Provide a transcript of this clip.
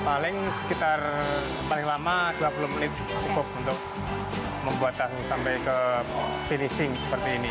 paling sekitar dua puluh menit cukup untuk membuat tahu sampai ke pening seperti ini